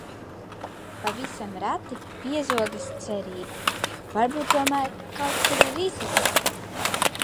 Pavisam reti piezogas cerība: varbūt tomēr kaut kur ir izeja?